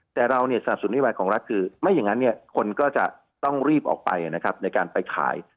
แต่เราสนับสนุนวิวัยของเราคือไม่อย่างนั้นคนก็จะต้องรีบออกไปในการไปขาย